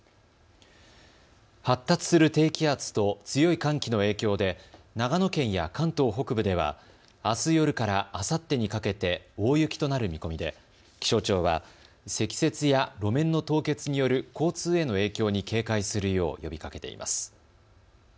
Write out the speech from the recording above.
発達する低気圧と強い寒気の影響で長野県や関東北部ではあす夜からあさってにかけて大雪となる見込みで気象庁は積雪や路面の凍結による交通への影響に警戒するよう呼びかけています。